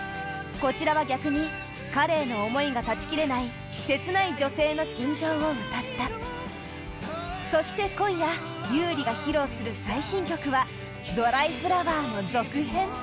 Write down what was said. こちらは逆に彼への思いが断ち切れない切ない女性の心情を歌ったそして、今夜優里が披露する最新曲は「ドライフラワー」の続編